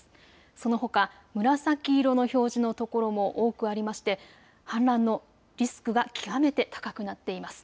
そのほか紫色の表示の所も多くありまして氾濫のリスクが極めて高くなっています。